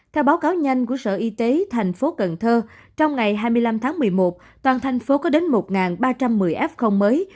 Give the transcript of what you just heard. theo báo cáo nhanh của sở y tế thành phố cần thơ trong ngày hai mươi năm tháng một mươi một toàn thành phố có đến một ba trăm một mươi f mới